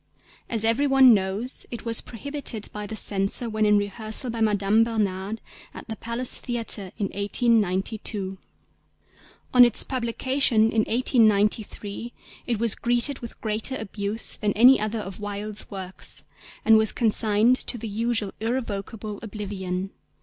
As every one knows, it was prohibited by the Censor when in rehearsal by Madame Bernhardt at the Palace Theatre in 1892. On its publication in 1893 it was greeted with greater abuse than any other of Wilde's works, and was consigned to the usual irrevocable oblivion.